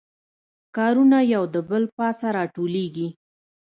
کارونه یو د بل پاسه راټولیږي